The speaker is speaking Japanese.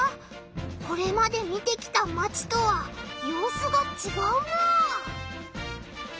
これまで見てきたマチとはようすがちがうなあ。